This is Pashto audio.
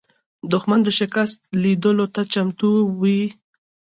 دښمن د شکست لیدلو ته چمتو وي